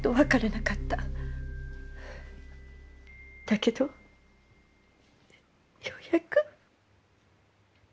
だけどようやく。